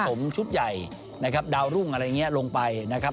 ชุดใหญ่นะครับดาวรุ่งอะไรอย่างนี้ลงไปนะครับ